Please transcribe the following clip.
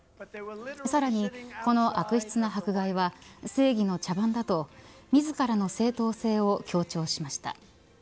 さらに、この悪質な迫害は正義の茶番だと自らの正当性を強調しました。